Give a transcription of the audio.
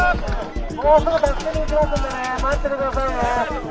もうすぐ助けに行きますんでね待っててくださいね！